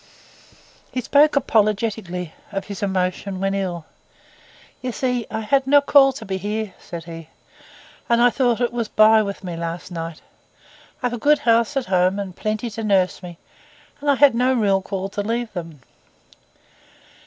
He spoke apologetically of his emotion when ill. 'Ye see, I had no call to be here,' said he; 'and I thought it was by with me last night. I've a good house at home, and plenty to nurse me, and I had no real call to leave them.